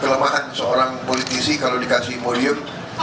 kelemahan seorang politisi kalau dikasih modium